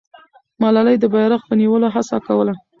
ملالۍ د بیرغ په نیولو هڅه کوله.